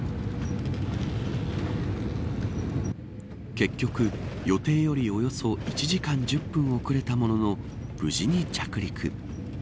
結局、予定よりおよそ１時間１０分遅れたものの無事に着陸。